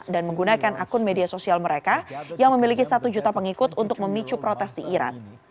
dan menggunakan akun media sosial mereka yang memiliki satu juta pengikut untuk memicu protes di iran